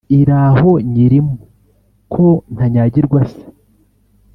iraho nyirimo ko ntanyagirwa se